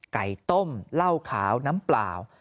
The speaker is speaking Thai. ไก่ต้มเหล้าขาวน้ำเปล่า